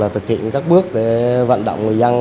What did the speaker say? thực hiện các bước để vận động người dân